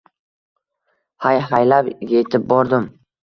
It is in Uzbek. Hay-haylab etib bordim